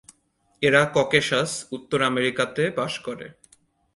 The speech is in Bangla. এরা ককেশাস, উত্তর আমেরিকাতে বাস করে।